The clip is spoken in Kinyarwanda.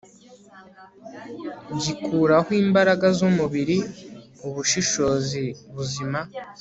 gikuraho imbaraga zumubiri ubushishozi buzima